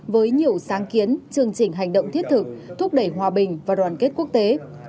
với nhiều sáng kiến chương trình hành động thiết thực thúc đẩy hòa bình và đoàn kết quốc tế